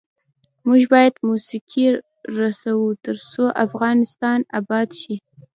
موږ باید موسیقي رسوو ، ترڅو افغانستان اباد شي.